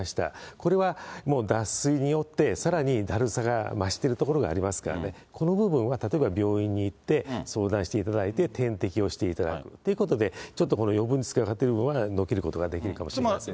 これは、脱水によって、さらにだるさが増してるところがありますから、この部分は例えば、病院に行って相談していただいて、点滴をしていただくということで、ちょっと余分につけてる部分はのけることができるかもしれません。